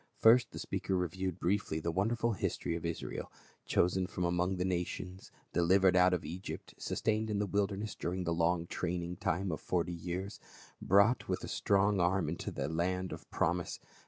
First the speaker re viewed briefly the wonderful history of Israel, chosen from among the nations, delivered out of Egypt, sustained in the wilderness during the long training time of forty years ; brought with a strong arm into the land of promise.